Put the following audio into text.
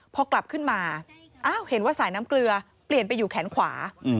พอกลับขึ้นมาเห็นว่าสายน้ำเกลือเปลี่ยนไปอยู่แขนขวา